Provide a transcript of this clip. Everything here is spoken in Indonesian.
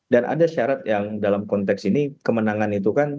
dan ada syarat yang dalam konteks ini kemenangan itu kan